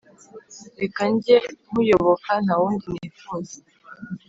reka njye nkuyoboka, ntawundi nifuza